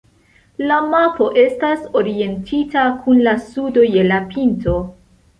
La mapo estas orientita kun la sudo je la pinto.